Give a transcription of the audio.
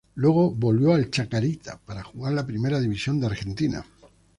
Luego volvió al Chacarita para jugar la Primera División de Argentina.